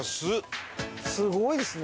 すごいですね。